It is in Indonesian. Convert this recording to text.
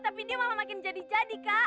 tapi dia malah makin jadi jadi kan